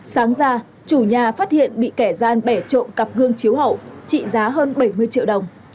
sáng ra chủ nhà phát hiện bị kẻ gian bẻ trộm cặp hương chiếu hậu trị giá hơn bảy mươi triệu đồng